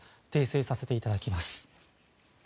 訂正させていただきます。